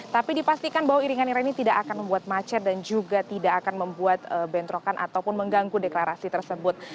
tapi dipastikan bahwa iringan iran ini tidak akan membuat macet dan juga tidak akan membuat bentrokan ataupun mengganggu deklarasi tersebut